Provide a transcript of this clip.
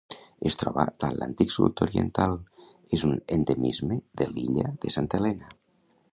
Es troba a l'Atlàntic sud-oriental: és un endemisme de l'illa de Santa Helena.